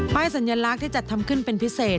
สัญลักษณ์ที่จัดทำขึ้นเป็นพิเศษ